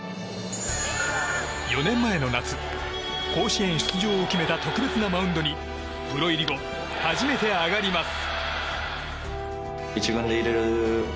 ４年前の夏、甲子園出場を決めた特別なマウンドにプロ入り後、初めて上がります。